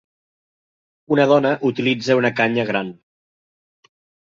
Una dona utilitza una canya gran.